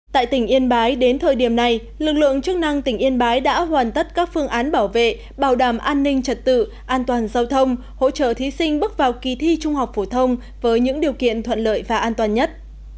tại tỉnh yên bái đến thời điểm này lực lượng chức năng tỉnh yên bái đã hoàn tất các phương án bảo vệ bảo đảm an ninh trật tự an toàn giao thông hỗ trợ thí sinh bước vào kỳ thi trung học phổ thông với những điều kiện thuận lợi và an toàn nhất